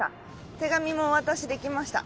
手紙もお渡しできました。